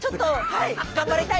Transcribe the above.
はい。